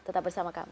tetap bersama kami